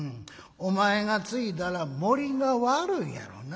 お前がついだら盛りが悪いやろな。